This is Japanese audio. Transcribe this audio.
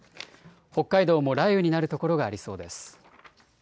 北海道も雷雨になる所がありそうです。